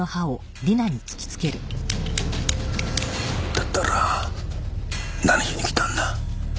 だったら何しに来たんだ？